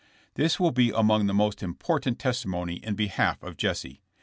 This will be among the most important testi mony in behalf of Jesse.